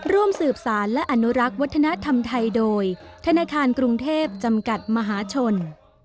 ร่วมสืบสารและอนุรักษ์วัฒนธรรมไทยโดยธนาคารกรุงเทพจำกัดมหาชน